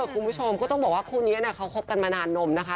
คุณผู้ชมก็ต้องบอกว่าคู่นี้เขาคบกันมานานนมนะคะ